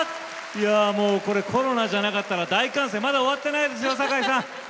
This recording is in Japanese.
もうこれコロナじゃなかったら大歓声まだ終わってないですよ堺さん。